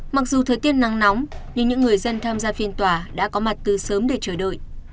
mặc dù thời tiết nắng nóng nhưng những người dân tham gia phiên tòa đã có mặt từ sớm để chờ đợi